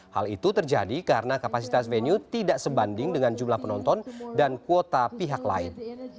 hal itu terjadi karena kapasitas venue tidak sebanding dengan jumlah penonton dan kuota pihak lain